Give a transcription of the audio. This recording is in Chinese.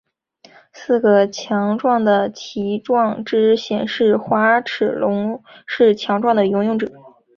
四个强壮的鳍状肢显示滑齿龙是强壮的游泳者。